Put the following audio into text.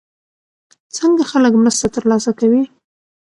څنګه خلک مرسته ترلاسه کوي؟